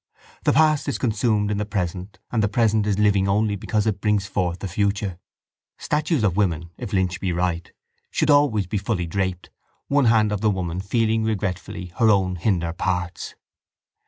The past is consumed in the present and the present is living only because it brings forth the future. Statues of women, if Lynch be right, should always be fully draped, one hand of the woman feeling regretfully her own hinder parts.